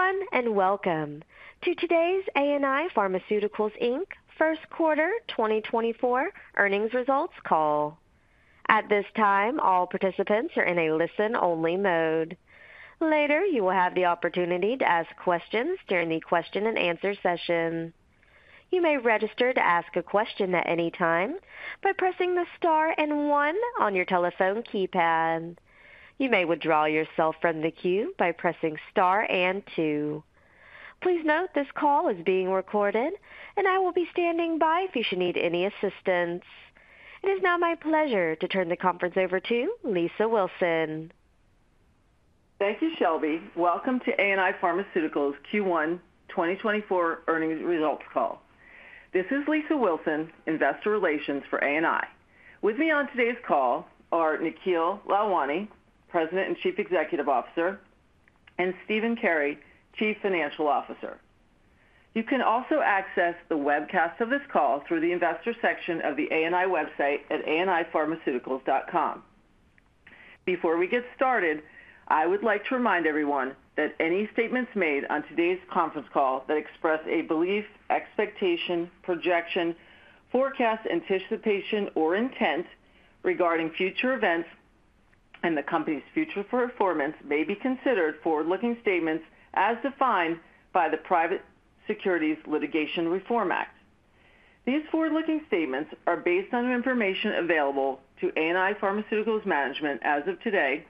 Hello everyone and welcome to today's ANI Pharmaceuticals, Inc. first quarter 2024 earnings results call. At this time, all participants are in a listen-only mode. Later, you will have the opportunity to ask questions during the question-and-answer session. You may register to ask a question at any time by pressing the star and one on your telephone keypad. You may withdraw yourself from the queue by pressing star and two. Please note this call is being recorded, and I will be standing by if you should need any assistance. It is now my pleasure to turn the conference over to Lisa Wilson. Thank you, Shelby. Welcome to ANI Pharmaceuticals Q1 2024 earnings results call. This is Lisa Wilson, Investor Relations for ANI. With me on today's call are Nikhil Lalwani, President and Chief Executive Officer, and Stephen Carey, Chief Financial Officer. You can also access the webcast of this call through the investor section of the ANI website at anipharmaceuticals.com. Before we get started, I would like to remind everyone that any statements made on today's conference call that express a belief, expectation, projection, forecast, anticipation, or intent regarding future events and the company's future performance may be considered forward-looking statements as defined by the Private Securities Litigation Reform Act. These forward-looking statements are based on information available to ANI Pharmaceuticals management as of today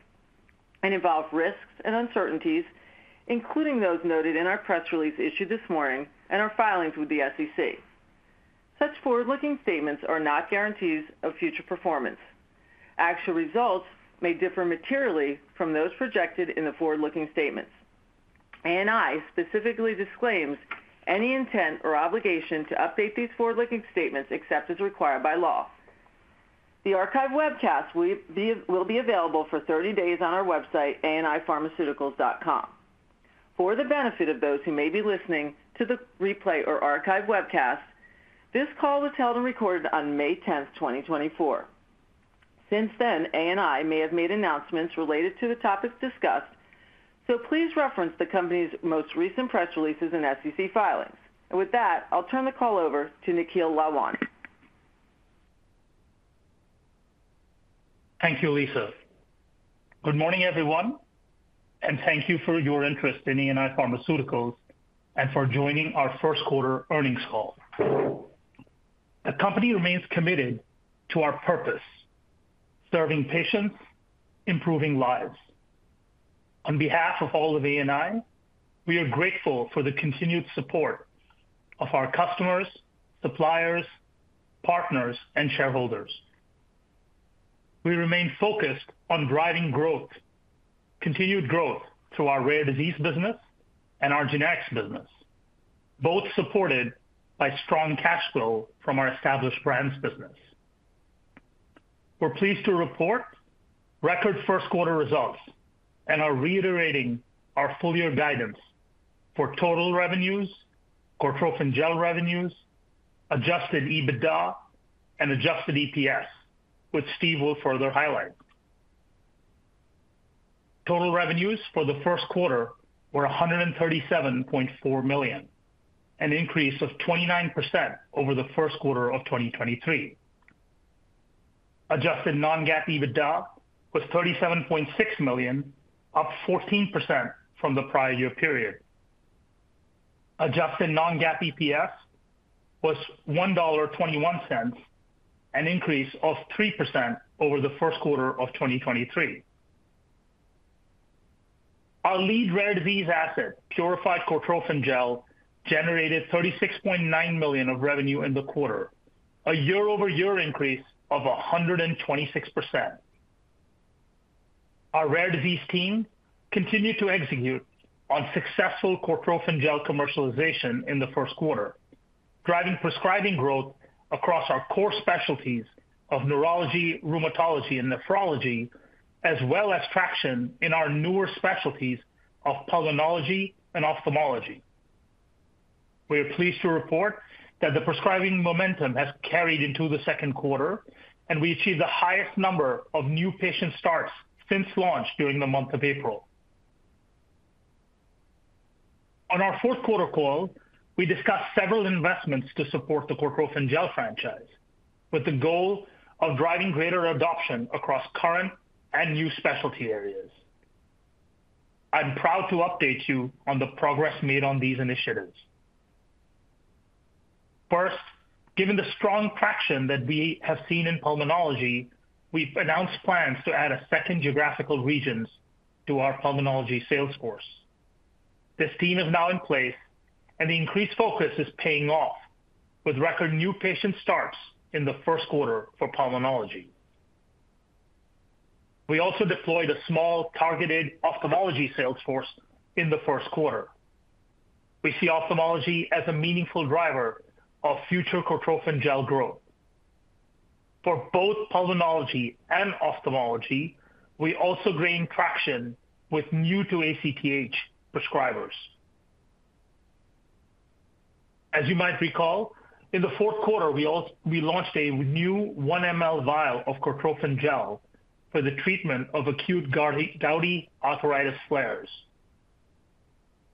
and involve risks and uncertainties, including those noted in our press release issued this morning and our filings with the SEC. Such forward-looking statements are not guarantees of future performance. Actual results may differ materially from those projected in the forward-looking statements. ANI specifically disclaims any intent or obligation to update these forward-looking statements except as required by law. The archive webcast will be available for 30 days on our website, anipharmaceuticals.com. For the benefit of those who may be listening to the replay or archive webcast, this call was held and recorded on May 10, 2024. Since then, ANI may have made announcements related to the topics discussed, so please reference the company's most recent press releases and SEC filings. With that, I'll turn the call over to Nikhil Lalwani. Thank you, Lisa. Good morning everyone, and thank you for your interest in ANI Pharmaceuticals and for joining our first quarter earnings call. The company remains committed to our purpose: serving patients, improving lives. On behalf of all of ANI, we are grateful for the continued support of our customers, suppliers, partners, and shareholders. We remain focused on driving growth, continued growth through our rare disease business and our generics business, both supported by strong cash flow from our established brands business. We're pleased to report record first quarter results and are reiterating our full year guidance for total revenues, Cortrophin Gel revenues, adjusted EBITDA, and adjusted EPS, which Steve will further highlight. Total revenues for the first quarter were $137.4 million, an increase of 29% over the first quarter of 2023. Adjusted non-GAAP EBITDA was $37.6 million, up 14% from the prior year period. Adjusted non-GAAP EPS was $1.21, an increase of 3% over the first quarter of 2023. Our lead rare disease asset, Purified Cortrophin Gel, generated $36.9 million of revenue in the quarter, a year-over-year increase of 126%. Our rare disease team continued to execute on successful Cortrophin Gel commercialization in the first quarter, driving prescribing growth across our core specialties of neurology, rheumatology, and nephrology, as well as traction in our newer specialties of pulmonology and ophthalmology. We are pleased to report that the prescribing momentum has carried into the second quarter, and we achieved the highest number of new patient starts since launch during the month of April. On our fourth quarter call, we discussed several investments to support the Cortrophin Gel franchise with the goal of driving greater adoption across current and new specialty areas. I'm proud to update you on the progress made on these initiatives. First, given the strong traction that we have seen in pulmonology, we've announced plans to add a second geographical region to our pulmonology sales force. This team is now in place, and the increased focus is paying off with record new patient starts in the first quarter for pulmonology. We also deployed a small targeted ophthalmology sales force in the first quarter. We see ophthalmology as a meaningful driver of future Cortrophin Gel growth. For both pulmonology and ophthalmology, we also gain traction with new-to-ACTH prescribers. As you might recall, in the fourth quarter, we launched a new 1 mL vial of Cortrophin Gel for the treatment of acute gouty arthritis flares.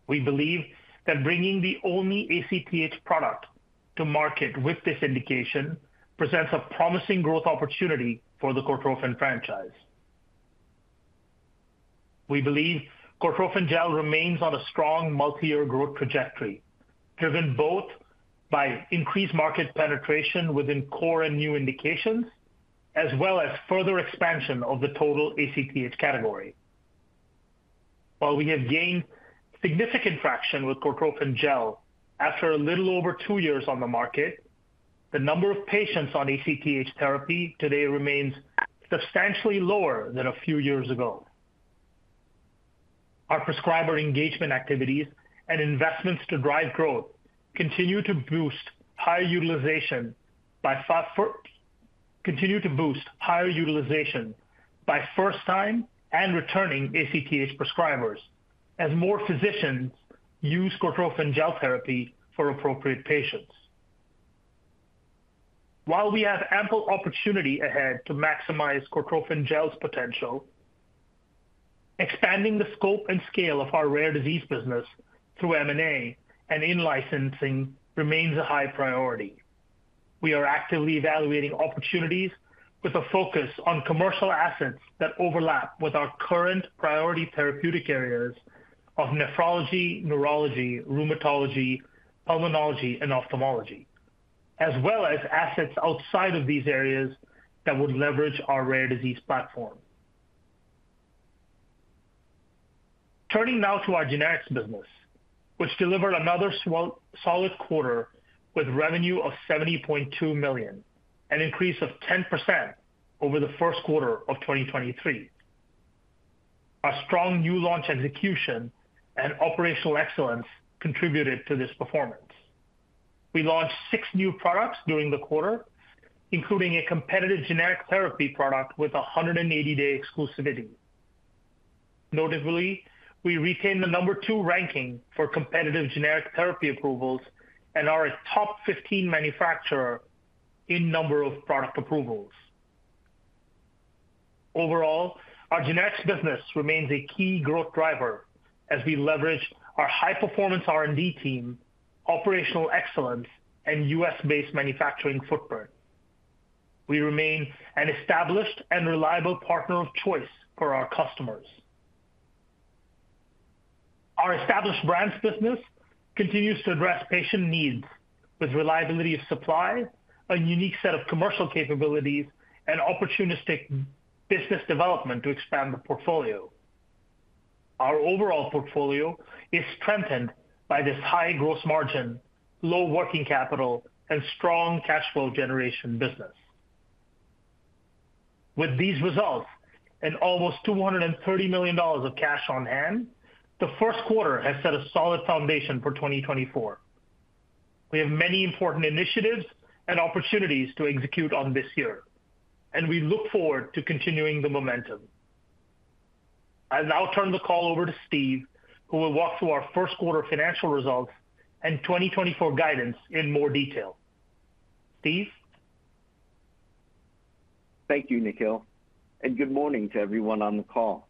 We believe that bringing the only ACTH product to market with this indication presents a promising growth opportunity for the Cortrophin franchise. We believe Cortrophin Gel remains on a strong multi-year growth trajectory, driven both by increased market penetration within core and new indications, as well as further expansion of the total ACTH category. While we have gained significant traction with Cortrophin Gel after a little over two years on the market, the number of patients on ACTH therapy today remains substantially lower than a few years ago. Our prescriber engagement activities and investments to drive growth continue to boost higher utilization by first-time and returning ACTH prescribers as more physicians use Cortrophin Gel therapy for appropriate patients. While we have ample opportunity ahead to maximize Cortrophin Gel's potential, expanding the scope and scale of our rare disease business through M&A and in-licensing remains a high priority. We are actively evaluating opportunities with a focus on commercial assets that overlap with our current priority therapeutic areas of nephrology, neurology, rheumatology, pulmonology, and ophthalmology, as well as assets outside of these areas that would leverage our rare disease platform. Turning now to our generics business, which delivered another solid quarter with revenue of $70.2 million, an increase of 10% over the first quarter of 2023. Our strong new launch execution and operational excellence contributed to this performance. We launched six new products during the quarter, including a competitive generic therapy product with 180-day exclusivity. Notably, we retained the number two ranking for competitive generic therapy approvals and are a top 15 manufacturer in number of product approvals. Overall, our generics business remains a key growth driver as we leverage our high-performance R&D team, operational excellence, and U.S.-based manufacturing footprint. We remain an established and reliable partner of choice for our customers. Our established brands business continues to address patient needs with reliability of supply, a unique set of commercial capabilities, and opportunistic business development to expand the portfolio. Our overall portfolio is strengthened by this high gross margin, low working capital, and strong cash flow generation business. With these results and almost $230 million of cash on hand, the first quarter has set a solid foundation for 2024. We have many important initiatives and opportunities to execute on this year, and we look forward to continuing the momentum. I'll now turn the call over to Steve, who will walk through our first quarter financial results and 2024 guidance in more detail. Steve? Thank you, Nikhil, and good morning to everyone on the call.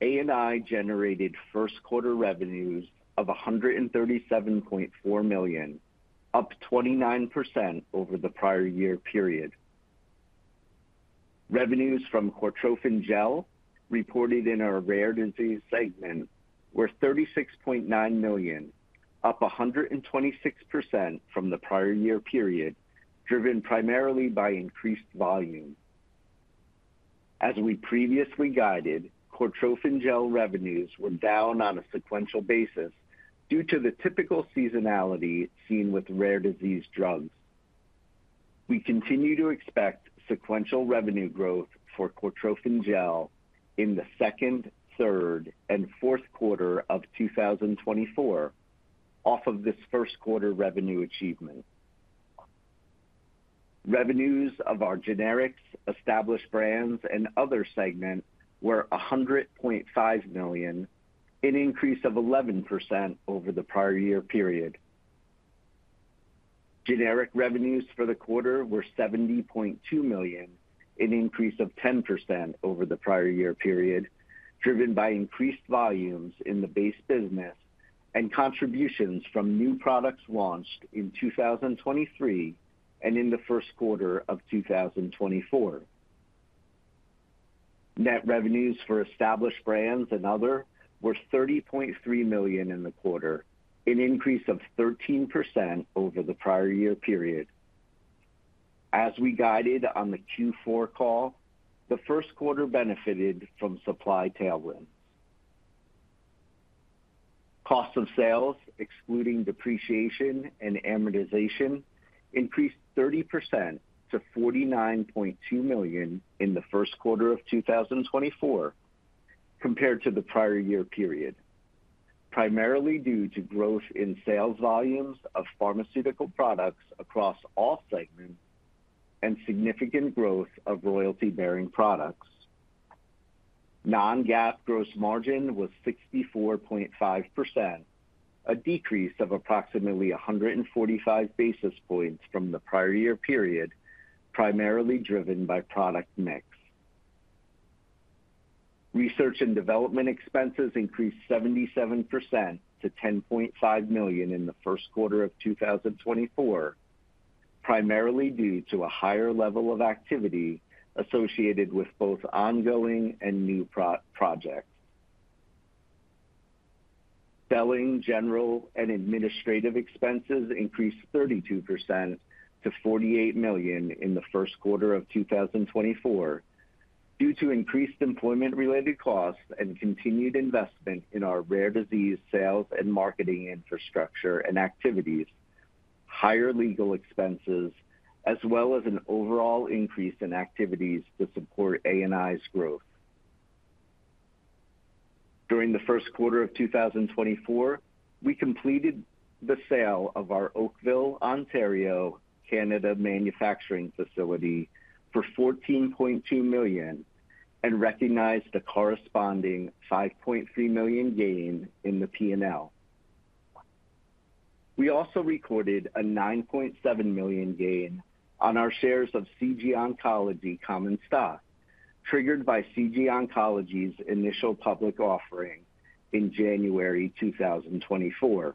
ANI generated first quarter revenues of $137.4 million, up 29% over the prior year period. Revenues from Cortrophin Gel reported in our rare disease segment were $36.9 million, up 126% from the prior year period, driven primarily by increased volume. As we previously guided, Cortrophin Gel revenues were down on a sequential basis due to the typical seasonality seen with rare disease drugs. We continue to expect sequential revenue growth for Cortrophin Gel in the second, third, and fourth quarter of 2024 off of this first quarter revenue achievement. Revenues of our generics, established brands, and other segment were $100.5 million, an increase of 11% over the prior year period. Generic revenues for the quarter were $70.2 million, an increase of 10% over the prior year period, driven by increased volumes in the base business and contributions from new products launched in 2023 and in the first quarter of 2024. Net revenues for established brands and other were $30.3 million in the quarter, an increase of 13% over the prior year period. As we guided on the Q4 call, the first quarter benefited from supply tailwinds. Cost of sales, excluding depreciation and amortization, increased 30% to $49.2 million in the first quarter of 2024 compared to the prior year period, primarily due to growth in sales volumes of pharmaceutical products across all segments and significant growth of royalty-bearing products. Non-GAAP gross margin was 64.5%, a decrease of approximately 145 basis points from the prior year period, primarily driven by product mix. Research and development expenses increased 77% to $10.5 million in the first quarter of 2024, primarily due to a higher level of activity associated with both ongoing and new projects. Selling, general, and administrative expenses increased 32% to $48 million in the first quarter of 2024 due to increased employment-related costs and continued investment in our rare disease sales and marketing infrastructure and activities, higher legal expenses, as well as an overall increase in activities to support ANI's growth. During the first quarter of 2024, we completed the sale of our Oakville, Ontario, Canada manufacturing facility for $14.2 million and recognized the corresponding $5.3 million gain in the P&L. We also recorded a $9.7 million gain on our shares of CG Oncology common stock, triggered by CG Oncology's initial public offering in January 2024.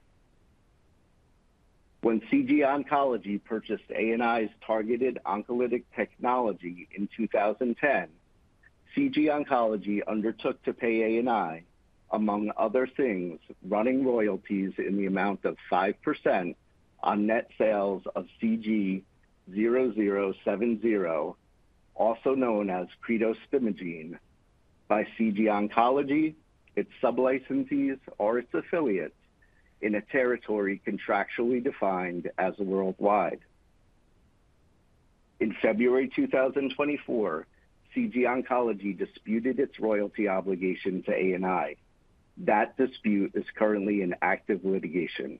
When CG Oncology purchased ANI's targeted oncolytic technology in 2010, CG Oncology undertook to pay ANI, among other things, running royalties in the amount of 5% on net sales of CG-0070, also known as cretostimogene, by CG Oncology, its sublicensees, or its affiliates in a territory contractually defined as worldwide. In February 2024, CG Oncology disputed its royalty obligation to ANI. That dispute is currently in active litigation.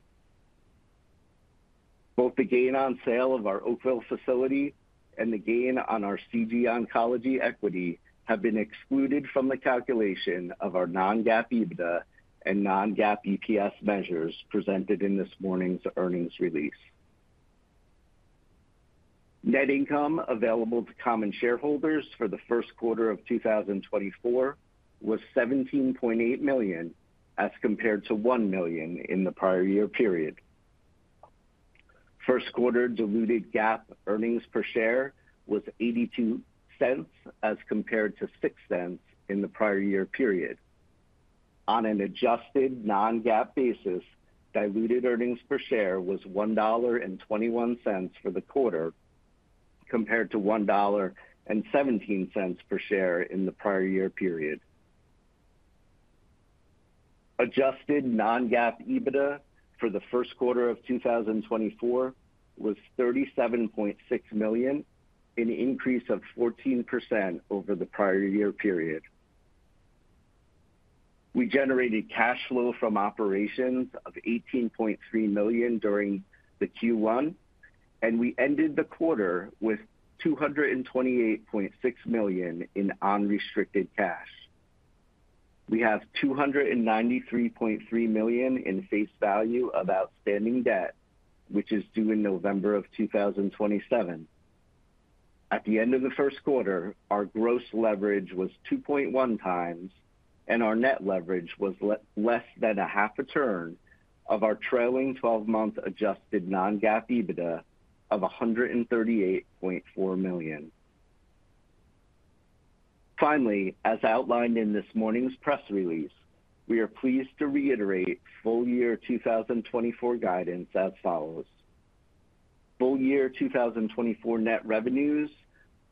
Both the gain on sale of our Oakville facility and the gain on our CG Oncology equity have been excluded from the calculation of our non-GAAP EBITDA and non-GAAP EPS measures presented in this morning's earnings release. Net income available to common shareholders for the first quarter of 2024 was $17.8 million as compared to $1 million in the prior year period. First quarter diluted GAAP earnings per share was $0.82 as compared to $0.06 in the prior year period. On an adjusted non-GAAP basis, diluted earnings per share was $1.21 for the quarter compared to $1.17 per share in the prior year period. Adjusted non-GAAP EBITDA for the first quarter of 2024 was $37.6 million, an increase of 14% over the prior year period. We generated cash flow from operations of $18.3 million during the Q1, and we ended the quarter with $228.6 million in unrestricted cash. We have $293.3 million in face value of outstanding debt, which is due in November of 2027. At the end of the first quarter, our gross leverage was 2.1x, and our net leverage was less than a half a turn of our trailing 12-month adjusted non-GAAP EBITDA of $138.4 million. Finally, as outlined in this morning's press release, we are pleased to reiterate full year 2024 guidance as follows. Full year 2024 net revenues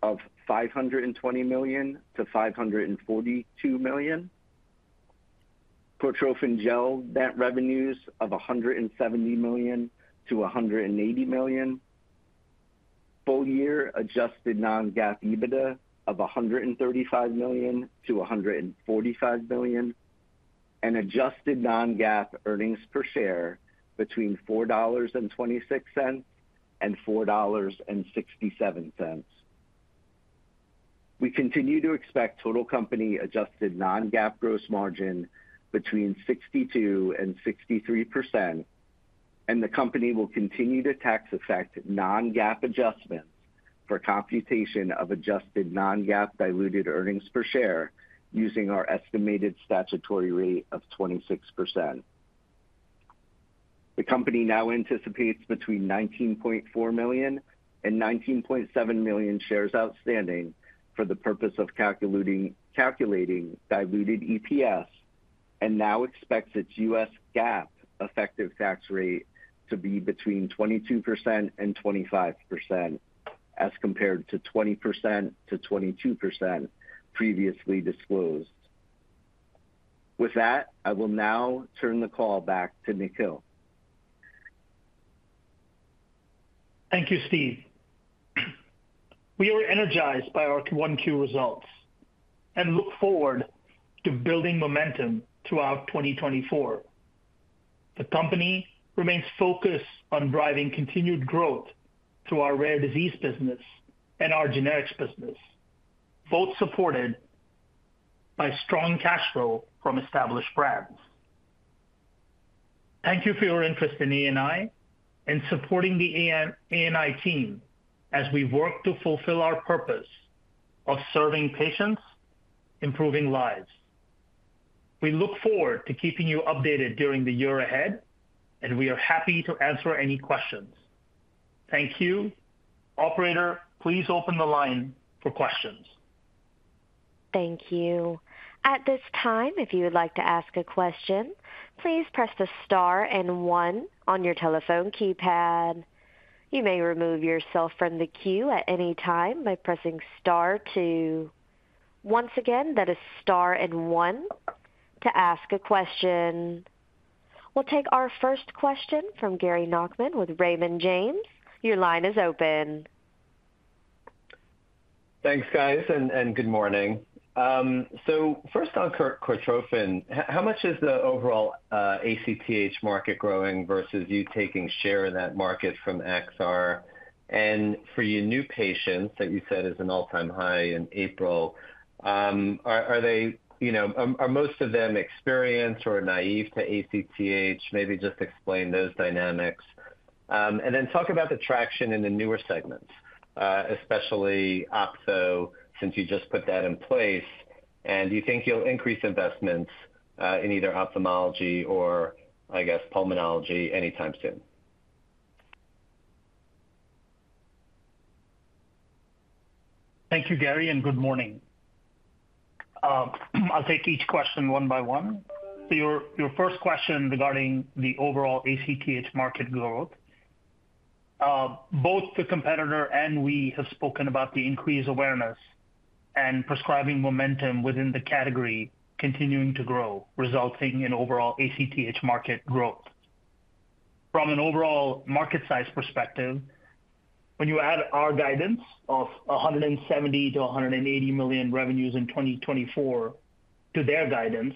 of $520 million-$542 million. Cortrophin Gel net revenues of $170 million-$180 million. Full-year adjusted non-GAAP EBITDA of $135 million-$145 million, and adjusted non-GAAP earnings per share between $4.26 and $4.67. We continue to expect total company adjusted non-GAAP gross margin between 62% and 63%, and the company will continue to tax effect non-GAAP adjustments for computation of adjusted non-GAAP diluted earnings per share using our estimated statutory rate of 26%. The company now anticipates between 19.4 million and 19.7 million shares outstanding for the purpose of calculating diluted EPS and now expects its U.S. GAAP effective tax rate to be between 22% and 25% as compared to 20% to 22% previously disclosed. With that, I will now turn the call back to Nikhil. Thank you, Steve. We are energized by our Q1 results and look forward to building momentum throughout 2024. The company remains focused on driving continued growth through our rare disease business and our generics business, both supported by strong cash flow from established brands. Thank you for your interest in ANI and supporting the ANI team as we work to fulfill our purpose of serving patients, improving lives. We look forward to keeping you updated during the year ahead, and we are happy to answer any questions. Thank you. Operator, please open the line for questions. Thank you. At this time, if you would like to ask a question, please press the star and one on your telephone keypad. You may remove yourself from the queue at any time by pressing star two. Once again, that is star and one to ask a question. We'll take our first question from Gary Nachman with Raymond James. Your line is open. Thanks, guys, and good morning. So first on Cortrophin, how much is the overall ACTH market growing versus you taking share in that market from Acthar? And for you new patients, that you said is an all-time high in April, are most of them experienced or naive to ACTH? Maybe just explain those dynamics. And then talk about the traction in the newer segments, especially ophthalmology, since you just put that in place. And do you think you'll increase investments in either ophthalmology or, I guess, pulmonology anytime soon? Thank you, Gary, and good morning. I'll take each question one by one. So your first question regarding the overall ACTH market growth. Both the competitor and we have spoken about the increased awareness and prescribing momentum within the category continuing to grow, resulting in overall ACTH market growth. From an overall market size perspective, when you add our guidance of $170 million-$180 million revenues in 2024 to their guidance,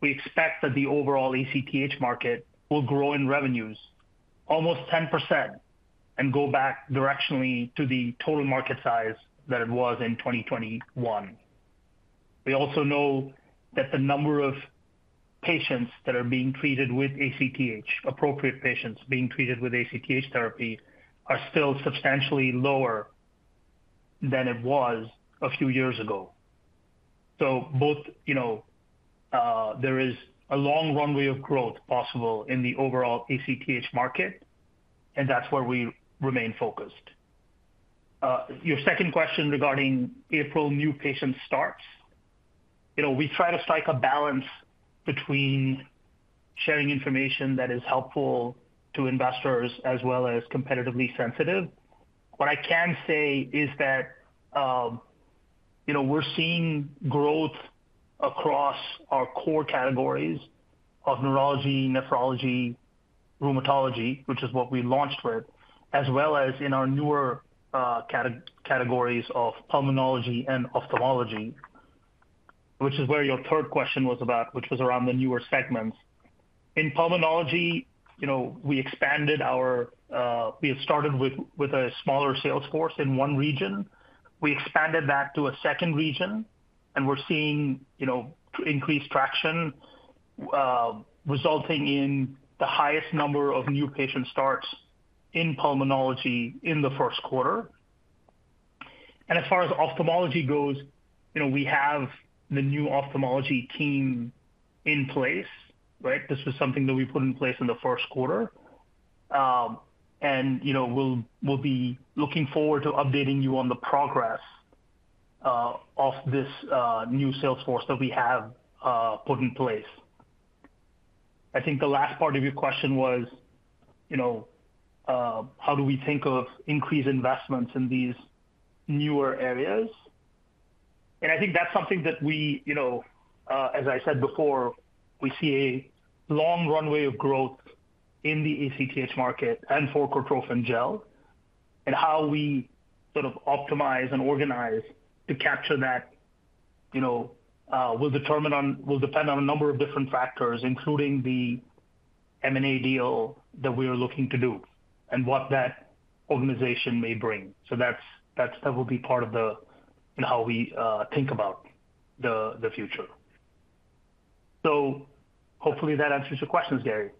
we expect that the overall ACTH market will grow in revenues almost 10% and go back directionally to the total market size that it was in 2021. We also know that the number of patients that are being treated with ACTH, appropriate patients being treated with ACTH therapy, are still substantially lower than it was a few years ago. So both there is a long runway of growth possible in the overall ACTH market, and that's where we remain focused. Your second question regarding April new patient starts. We try to strike a balance between sharing information that is helpful to investors as well as competitively sensitive. What I can say is that we're seeing growth across our core categories of neurology, nephrology, rheumatology, which is what we launched with, as well as in our newer categories of pulmonology and ophthalmology, which is where your third question was about, which was around the newer segments. In pulmonology, we had started with a smaller sales force in one region. We expanded that to a second region, and we're seeing increased traction, resulting in the highest number of new patient starts in pulmonology in the first quarter. As far as ophthalmology goes, we have the new ophthalmology team in place, right? This was something that we put in place in the first quarter. We'll be looking forward to updating you on the progress of this new sales force that we have put in place. I think the last part of your question was, how do we think of increased investments in these newer areas? I think that's something that we, as I said before, we see a long runway of growth in the ACTH market and for Cortrophin Gel and how we sort of optimize and organize to capture that will depend on a number of different factors, including the M&A deal that we are looking to do and what that organization may bring. That will be part of how we think about the future. Hopefully, that answers your questions, Gary.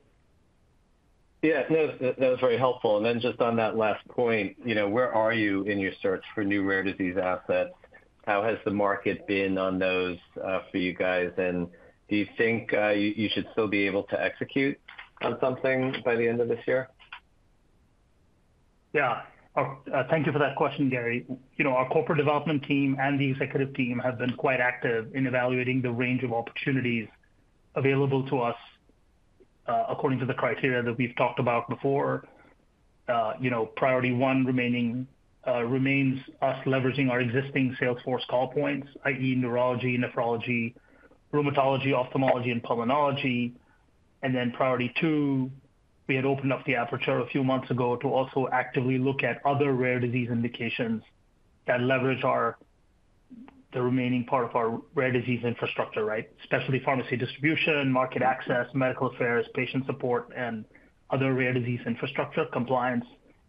Yeah. No, that was very helpful. And then just on that last point, where are you in your search for new rare disease assets? How has the market been on those for you guys? And do you think you should still be able to execute on something by the end of this year? Yeah. Thank you for that question, Gary. Our corporate development team and the executive team have been quite active in evaluating the range of opportunities available to us according to the criteria that we've talked about before. Priority one remains us leveraging our existing sales force call points, i.e., neurology, nephrology, rheumatology, ophthalmology, and pulmonology. And then priority two, we had opened up the aperture a few months ago to also actively look at other rare disease indications that leverage the remaining part of our rare disease infrastructure, right? Especially pharmacy distribution, market access, medical affairs, patient support, and other rare disease infrastructure, compliance,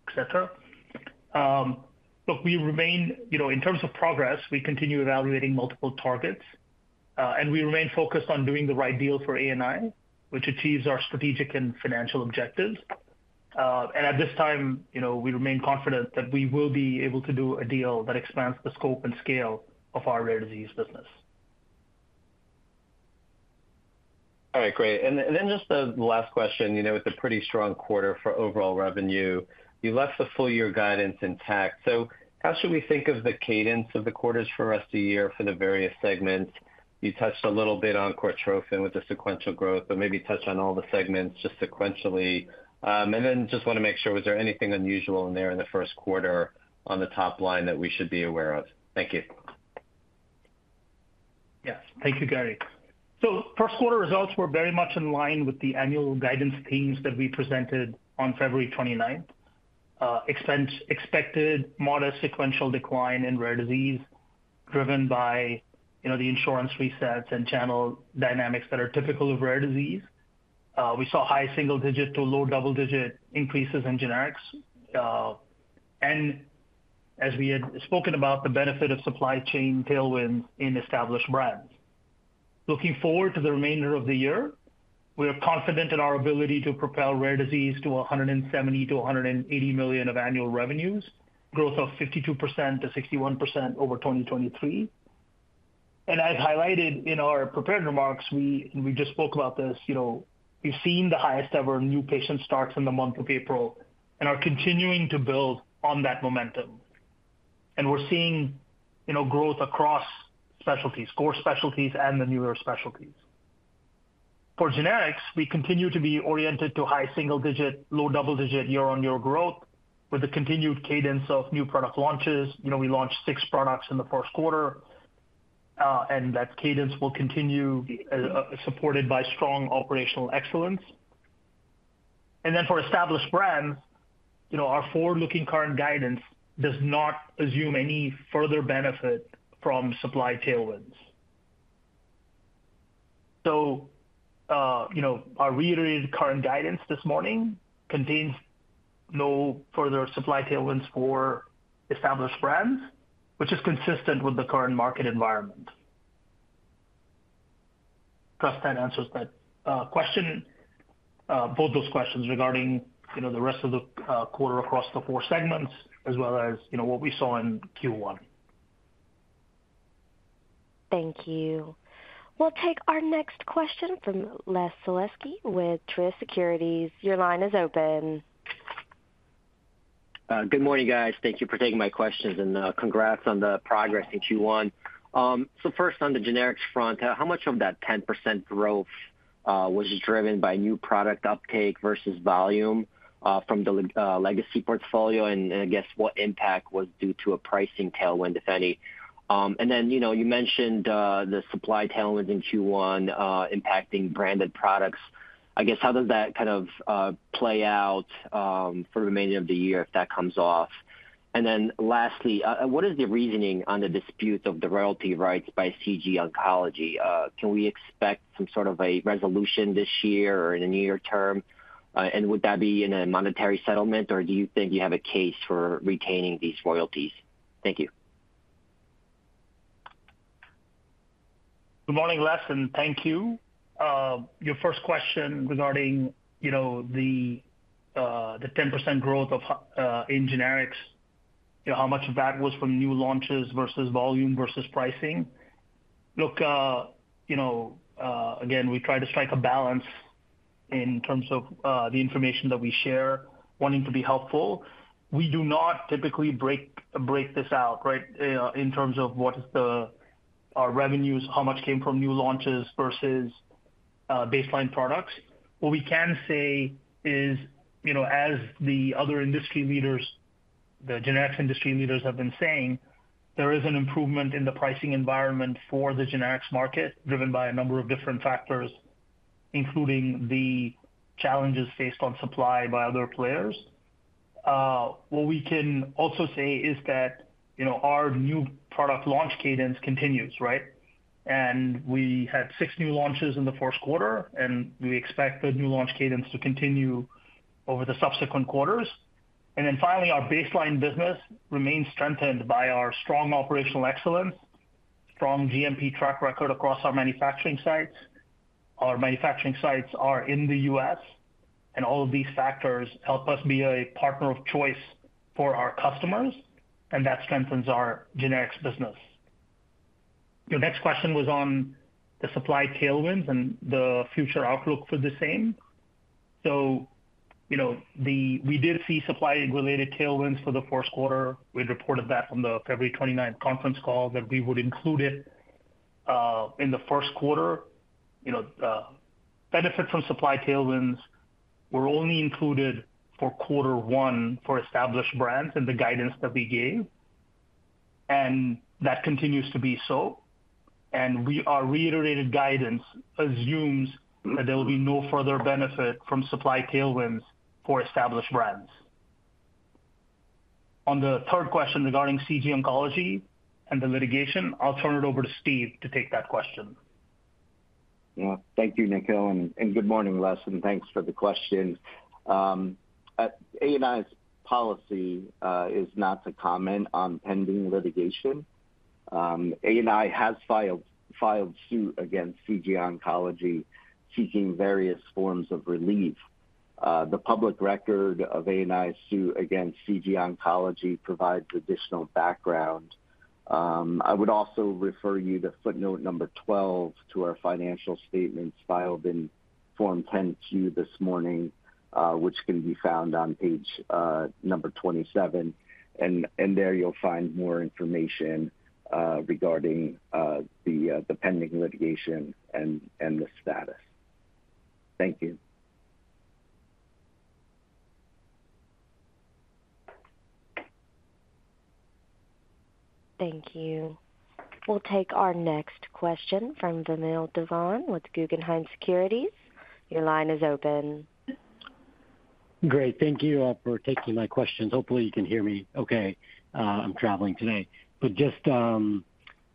etc. Look, we remain in terms of progress, we continue evaluating multiple targets, and we remain focused on doing the right deal for ANI, which achieves our strategic and financial objectives. At this time, we remain confident that we will be able to do a deal that expands the scope and scale of our rare disease business. All right. Great. And then just the last question. With a pretty strong quarter for overall revenue, you left the full-year guidance intact. So how should we think of the cadence of the quarters for the rest of the year for the various segments? You touched a little bit on Cortrophin with the sequential growth, but maybe touch on all the segments just sequentially. And then just want to make sure, was there anything unusual in there in the first quarter on the top line that we should be aware of? Thank you. Yes. Thank you, Gary. So first quarter results were very much in line with the annual guidance themes that we presented on February 29th. Expected modest sequential decline in rare disease driven by the insurance resets and channel dynamics that are typical of rare disease. We saw high single-digit to low double-digit increases in generics. And as we had spoken about, the benefit of supply chain tailwinds in established brands. Looking forward to the remainder of the year, we are confident in our ability to propel rare disease to $170 million-$180 million of annual revenues, growth of 52%-61% over 2023. And as highlighted in our prepared remarks, we just spoke about this. We've seen the highest ever new patient starts in the month of April and are continuing to build on that momentum. And we're seeing growth across specialties, core specialties, and the newer specialties. For generics, we continue to be oriented to high single-digit, low double-digit year-on-year growth with the continued cadence of new product launches. We launched six products in the first quarter, and that cadence will continue supported by strong operational excellence. And then for established brands, our forward-looking current guidance does not assume any further benefit from supply tailwinds. So our reiterated current guidance this morning contains no further supply tailwinds for established brands, which is consistent with the current market environment. I trust that answers that question, both those questions regarding the rest of the quarter across the four segments as well as what we saw in Q1. Thank you. We'll take our next question from Les Sulewski with Truist Securities. Your line is open. Good morning, guys. Thank you for taking my questions, and congrats on the progress in Q1. So first, on the generics front, how much of that 10% growth was driven by new product uptake versus volume from the legacy portfolio? And I guess, what impact was due to a pricing tailwind, if any? And then you mentioned the supply tailwinds in Q1 impacting branded products. I guess, how does that kind of play out for the remainder of the year if that comes off? And then lastly, what is the reasoning on the dispute of the royalty rights by CG Oncology? Can we expect some sort of a resolution this year or in a near term? And would that be in a monetary settlement, or do you think you have a case for retaining these royalties? Thank you. Good morning, Les, and thank you. Your first question regarding the 10% growth in generics, how much of that was from new launches versus volume versus pricing? Look, again, we try to strike a balance in terms of the information that we share, wanting to be helpful. We do not typically break this out, right, in terms of what is our revenues, how much came from new launches versus baseline products. What we can say is, as the other industry leaders, the generics industry leaders, have been saying, there is an improvement in the pricing environment for the generics market driven by a number of different factors, including the challenges faced on supply by other players. What we can also say is that our new product launch cadence continues, right? We had six new launches in the first quarter, and we expect the new launch cadence to continue over the subsequent quarters. Then finally, our baseline business remains strengthened by our strong operational excellence, strong GMP track record across our manufacturing sites. Our manufacturing sites are in the U.S., and all of these factors help us be a partner of choice for our customers, and that strengthens our generics business. Your next question was on the supply tailwinds and the future outlook for the same. We did see supply-related tailwinds for the first quarter. We had reported that on the February 29th conference call that we would include it in the first quarter. Benefit from supply tailwinds were only included for quarter one for established brands in the guidance that we gave, and that continues to be so. Our reiterated guidance assumes that there will be no further benefit from supply tailwinds for established brands. On the third question regarding CG Oncology and the litigation, I'll turn it over to Steve to take that question. Yeah. Thank you, Nikhil. And good morning, Les, and thanks for the question. ANI's policy is not to comment on pending litigation. ANI has filed suit against CG Oncology, seeking various forms of relief. The public record of ANI's suit against CG Oncology provides additional background. I would also refer you to footnote number 12 to our financial statements filed in Form 10-Q this morning, which can be found on page number 27. And there you'll find more information regarding the pending litigation and the status. Thank you. Thank you. We'll take our next question from Vamil Divan with Guggenheim Securities. Your line is open. Great. Thank you for taking my questions. Hopefully, you can hear me okay. I'm traveling today. But just a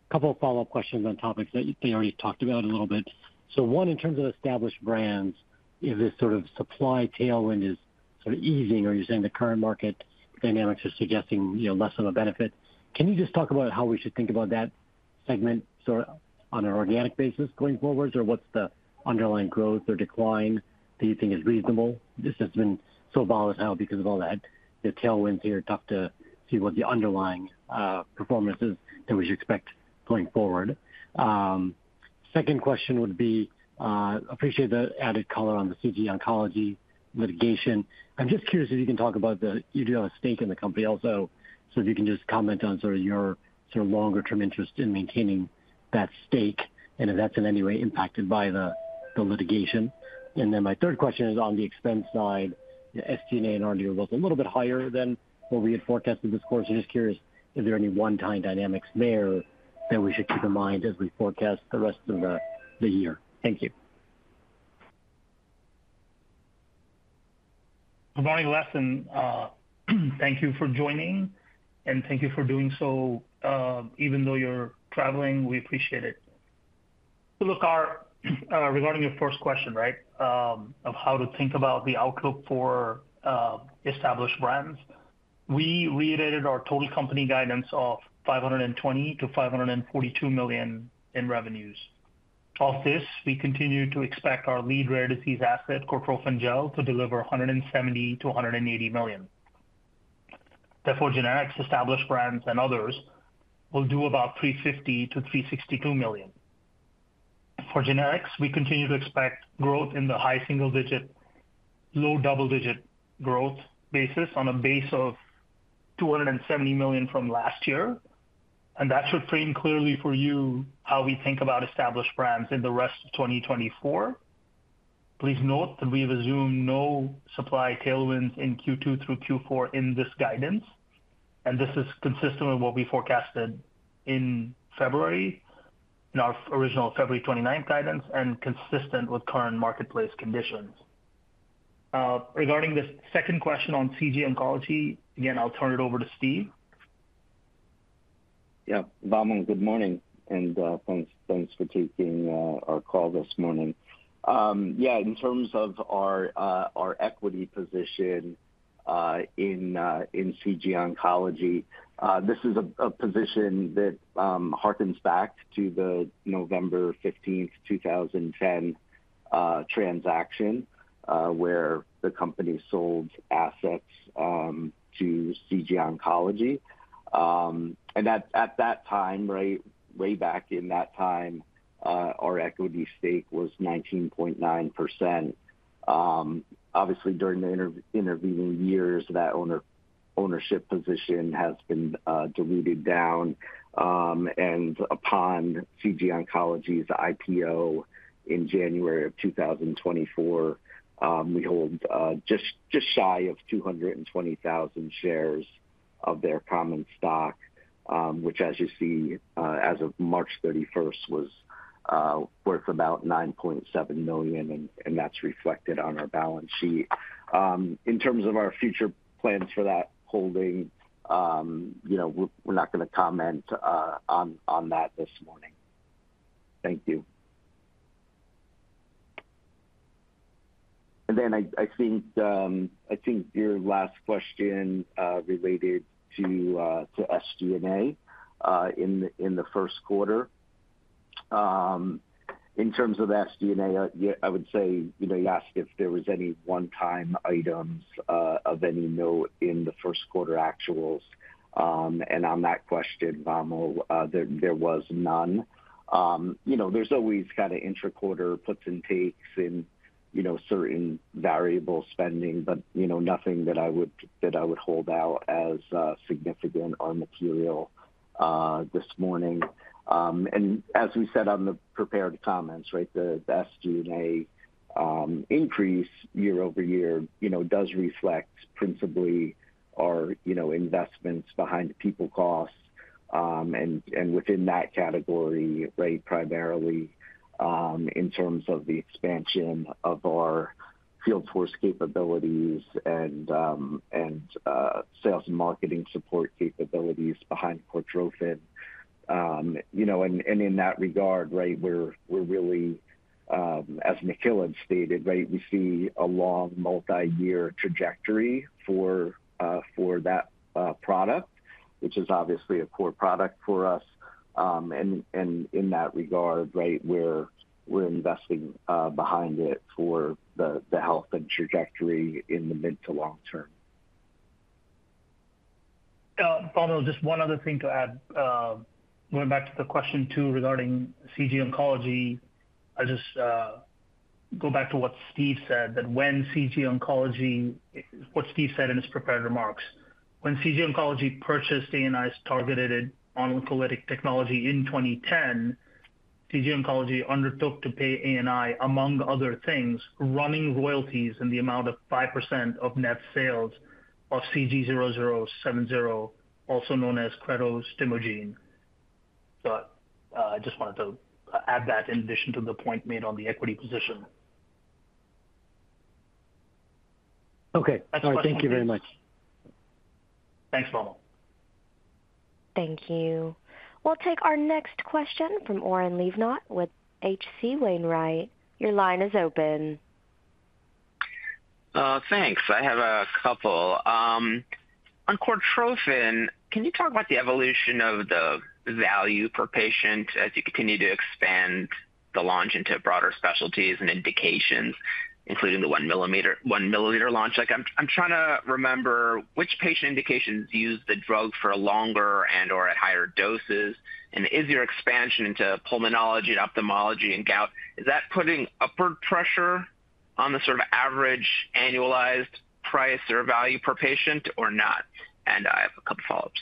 couple of follow-up questions on topics that they already talked about a little bit. So one, in terms of established brands, if this sort of supply tailwind is sort of easing, or you're saying the current market dynamics are suggesting less of a benefit, can you just talk about how we should think about that segment sort of on an organic basis going forward, or what's the underlying growth or decline that you think is reasonable? This has been so volatile because of all that. The tailwinds here, tough to see what the underlying performance is that we should expect going forward. Second question would be, appreciate the added color on the CG Oncology litigation. I'm just curious if you can talk about you do have a stake in the company also. So if you can just comment on sort of your sort of longer-term interest in maintaining that stake and if that's in any way impacted by the litigation. And then my third question is on the expense side. SG&A and R&D are both a little bit higher than what we had forecasted this quarter. Just curious if there are any one-time dynamics there that we should keep in mind as we forecast the rest of the year. Thank you. Good morning, Les, and thank you for joining. Thank you for doing so. Even though you're traveling, we appreciate it. So look, regarding your first question, right, of how to think about the outlook for established brands, we reiterated our total company guidance of $520 million-$542 million in revenues. Off this, we continue to expect our lead rare disease asset, Cortrophin Gel, to deliver $170 million-$180 million. Therefore, generics, established brands, and others will do about $350 million-$362 million. For generics, we continue to expect growth in the high single-digit, low double-digit growth basis on a base of $270 million from last year. That should frame clearly for you how we think about established brands in the rest of 2024. Please note that we have assumed no supply tailwinds in Q2 through Q4 in this guidance. This is consistent with what we forecasted in February, in our original February 29th guidance, and consistent with current marketplace conditions. Regarding the second question on CG Oncology, again, I'll turn it over to Steve. Yeah. Vamil, good morning, and thanks for taking our call this morning. Yeah, in terms of our equity position in CG Oncology, this is a position that hearkens back to the November 15th, 2010, transaction where the company sold assets to CG Oncology. And at that time, right, way back in that time, our equity stake was 19.9%. Obviously, during the intervening years, that ownership position has been diluted down. And upon CG Oncology's IPO in January of 2024, we hold just shy of 220,000 shares of their common stock, which, as you see, as of March 31st, was worth about $9.7 million, and that's reflected on our balance sheet. In terms of our future plans for that holding, we're not going to comment on that this morning. Thank you. And then I think your last question related to SG&A in the first quarter. In terms of SG&A, I would say you asked if there was any one-time items of any note in the first quarter actuals. And on that question, Vamil, there was none. There's always kind of intra-quarter puts and takes in certain variable spending, but nothing that I would hold out as significant or material this morning. And as we said on the prepared comments, right, the SG&A increase year-over-year does reflect principally our investments behind people costs. And within that category, right, primarily in terms of the expansion of our field force capabilities and sales and marketing support capabilities behind Cortrophin. And in that regard, right, we're really, as Nikhil had stated, right, we see a long multi-year trajectory for that product, which is obviously a core product for us. In that regard, right, we're investing behind it for the health and trajectory in the mid to long term. Vamil, just one other thing to add. Going back to the question two regarding CG Oncology, I'll just go back to what Steve said in his prepared remarks. When CG Oncology purchased ANI's targeted oncolytic technology in 2010, CG Oncology undertook to pay ANI, among other things, running royalties in the amount of 5% of net sales of CG0070, also known as cretostimogene. So I just wanted to add that in addition to the point made on the equity position. Okay. All right. Thank you very much. Thanks, VamIl. Thank you. We'll take our next question from Oren Livnat with H.C. Wainwright. Your line is open. Thanks. I have a couple. On Cortrophin, can you talk about the evolution of the value per patient as you continue to expand the launch into broader specialties and indications, including the 1 mL launch? I'm trying to remember which patient indications use the drug for longer and/or at higher doses. And is your expansion into pulmonology and ophthalmology and gout, is that putting upward pressure on the sort of average annualized price or value per patient, or not? And I have a couple of follow-ups.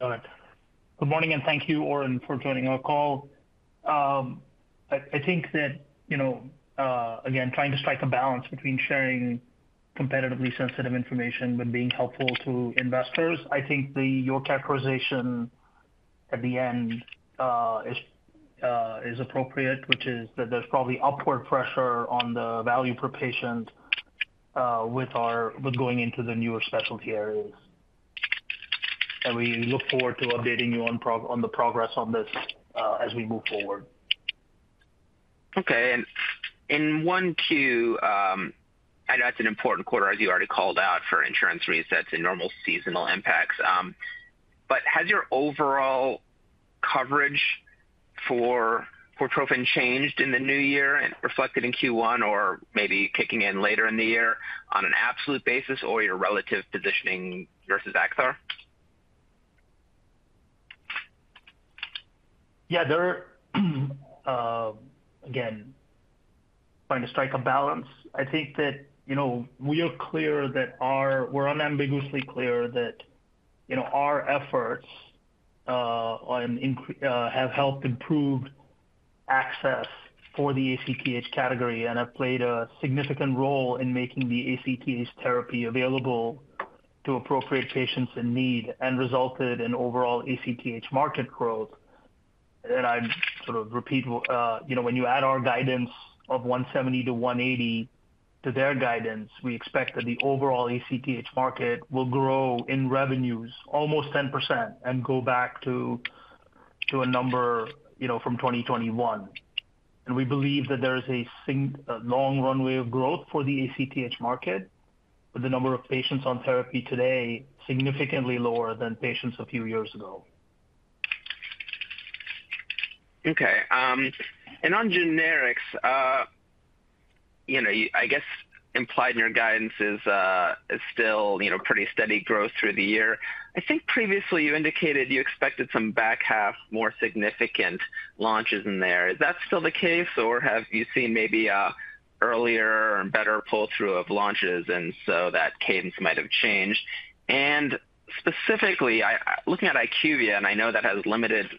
All right. Good morning, and thank you, Oren, for joining our call. I think that, again, trying to strike a balance between sharing competitively sensitive information but being helpful to investors, I think your characterization at the end is appropriate, which is that there's probably upward pressure on the value per patient with going into the newer specialty areas. We look forward to updating you on the progress on this as we move forward. Okay. And in Q1 I know that's an important quarter, as you already called out, for insurance reasons that's a normal seasonal impact. But has your overall coverage for Cortrophin changed in the new year and reflected in Q1 or maybe kicking in later in the year on an absolute basis or your relative positioning versus Acthar? Yeah. Again, trying to strike a balance. I think that we're unambiguously clear that our efforts have helped improve access for the ACTH category and have played a significant role in making the ACTH therapy available to appropriate patients in need and resulted in overall ACTH market growth. And I'd sort of repeat, when you add our guidance of $170 million-$180 million to their guidance, we expect that the overall ACTH market will grow in revenues almost 10% and go back to a number from 2021. And we believe that there is a long runway of growth for the ACTH market with the number of patients on therapy today significantly lower than patients a few years ago. Okay. And on generics, I guess implied in your guidance is still pretty steady growth through the year. I think previously, you indicated you expected some back half, more significant launches in there. Is that still the case, or have you seen maybe an earlier and better pull-through of launches, and so that cadence might have changed? And specifically, looking at IQVIA, and I know that has limited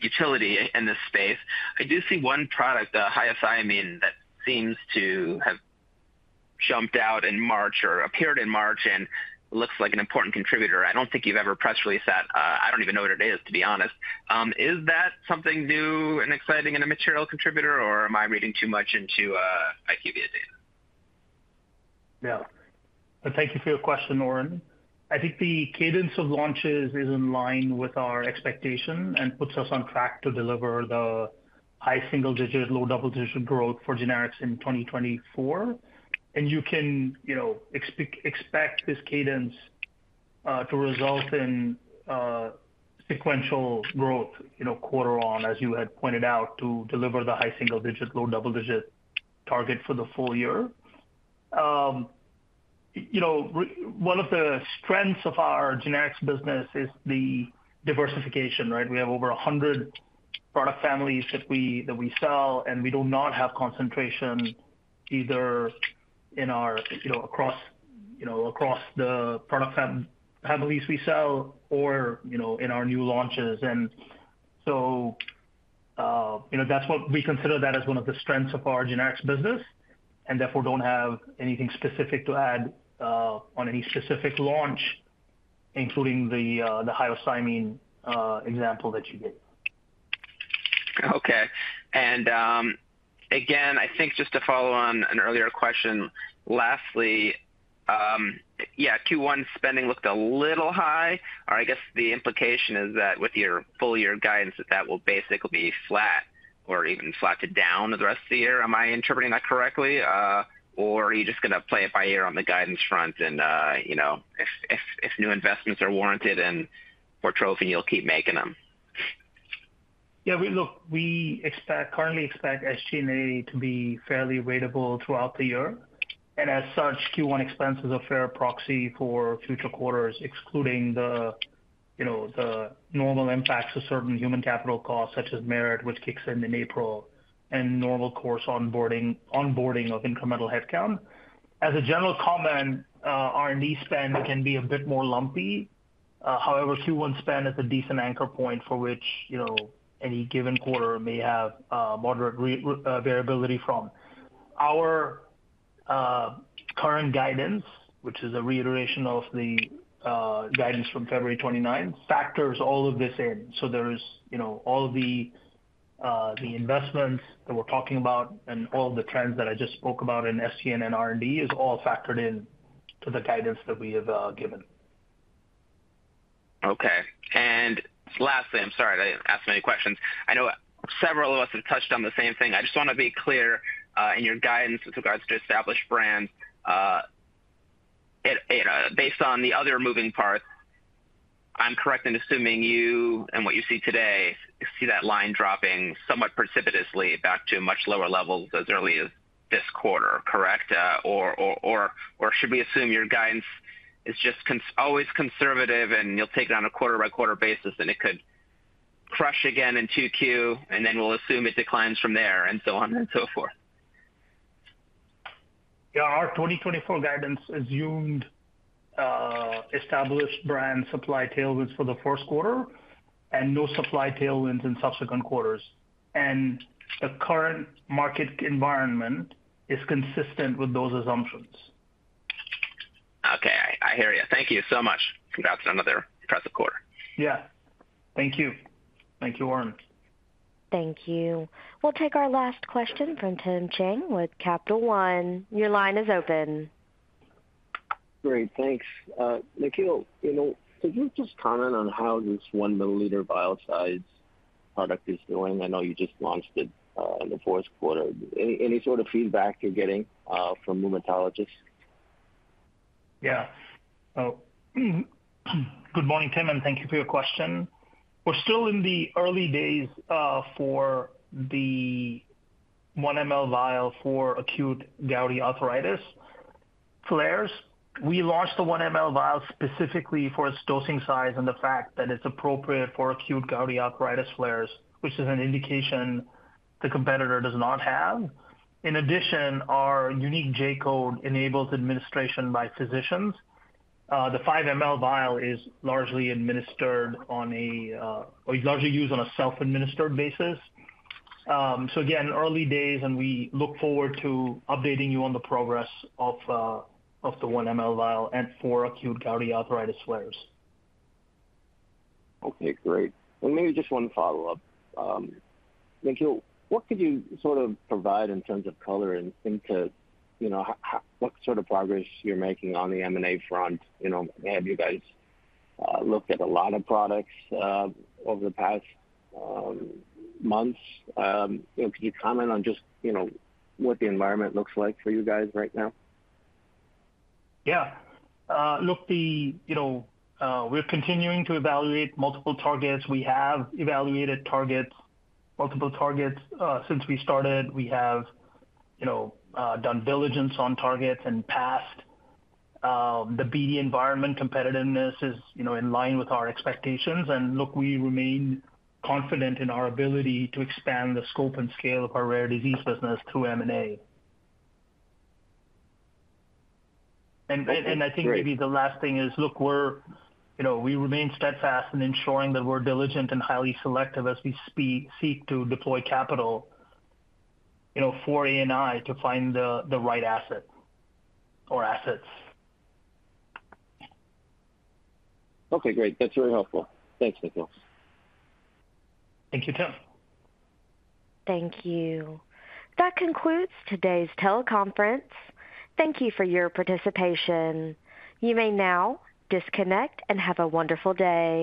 utility in this space, I do see one product, the hyoscyamine, that seems to have jumped out in March or appeared in March and looks like an important contributor. I don't think you've ever press-released that. I don't even know what it is, to be honest. Is that something new and exciting and a material contributor, or am I reading too much into IQVIA data? No. Thank you for your question, Oren. I think the cadence of launches is in line with our expectation and puts us on track to deliver the high single-digit, low double-digit growth for generics in 2024. And you can expect this cadence to result in sequential growth quarter on, as you had pointed out, to deliver the high single-digit, low double-digit target for the full year. One of the strengths of our generics business is the diversification, right? We have over 100 product families that we sell, and we do not have concentration either across the product families we sell or in our new launches. And so that's what we consider that as one of the strengths of our generics business and therefore don't have anything specific to add on any specific launch, including the hyoscyamine example that you gave. Okay. And again, I think just to follow on an earlier question, lastly, yeah, Q1 spending looked a little high. Or I guess the implication is that with your full-year guidance, that will basically be flat or even flattened down the rest of the year. Am I interpreting that correctly? Or are you just going to play it by ear on the guidance front and if new investments are warranted in Cortrophin, you'll keep making them? Yeah. Look, we currently expect SG&A to be fairly ratable throughout the year. And as such, Q1 expenses are a fair proxy for future quarters, excluding the normal impacts of certain human capital costs such as merit, which kicks in in April, and normal course onboarding of incremental headcount. As a general comment, R&D spend can be a bit more lumpy. However, Q1 spend is a decent anchor point for which any given quarter may have moderate variability from. Our current guidance, which is a reiteration of the guidance from February 29th, factors all of this in. So all of the investments that we're talking about and all of the trends that I just spoke about in SG&A and R&D is all factored into the guidance that we have given. Okay. And lastly, I'm sorry I didn't ask many questions. I know several of us have touched on the same thing. I just want to be clear in your guidance with regards to established brands. Based on the other moving parts, I'm correct in assuming you and what you see today see that line dropping somewhat precipitously back to much lower levels as early as this quarter, correct? Or should we assume your guidance is just always conservative, and you'll take it on a quarter-by-quarter basis, and it could crush again in Q2, and then we'll assume it declines from there, and so on and so forth? Yeah. Our 2024 guidance assumed established brand supply tailwinds for the first quarter and no supply tailwinds in subsequent quarters. The current market environment is consistent with those assumptions. Okay. I hear you. Thank you so much. Congrats on another impressive quarter. Yeah. Thank you. Thank you, Oren. Thank you. We'll take our last question from Tim Chiang with Capital One. Your line is open. Great. Thanks. Nikhil, could you just comment on how this 1-milliliter vial-sized product is doing? I know you just launched it in the fourth quarter. Any sort of feedback you're getting from rheumatologists? Yeah. Good morning, Tim, and thank you for your question. We're still in the early days for the 1 mL vial for acute gouty arthritis flares. We launched the 1 mL vial specifically for its dosing size and the fact that it's appropriate for acute gouty arthritis flares, which is an indication the competitor does not have. In addition, our unique J-code enables administration by physicians. The 5 mL vial is largely used on a self-administered basis. So again, early days, and we look forward to updating you on the progress of the 1 mL vial and for acute gouty arthritis flares. Okay. Great. And maybe just one follow-up. Nikhil, what could you sort of provide in terms of color and into what sort of progress you're making on the M&A front? Have you guys looked at a lot of products over the past months? Could you comment on just what the environment looks like for you guys right now? Yeah. Look, we're continuing to evaluate multiple targets. We have evaluated multiple targets since we started. We have done diligence on targets in the past. The BD environment competitiveness is in line with our expectations. And look, we remain confident in our ability to expand the scope and scale of our rare disease business through M&A. And I think maybe the last thing is, look, we remain steadfast in ensuring that we're diligent and highly selective as we seek to deploy capital for ANI to find the right asset or assets. Okay. Great. That's very helpful. Thanks, Nikhil. Thank you, Tim. Thank you. That concludes today's teleconference. Thank you for your participation. You may now disconnect and have a wonderful day.